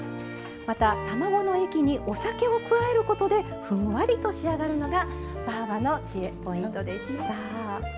また卵の液にお酒を加えることでふんわりと仕上がるのがばぁばの知恵ポイントでした。